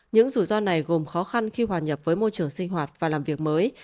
những rủi ro này gồm khó khăn khi hòa nhập với môi trường sinh hoạt và làm việc mới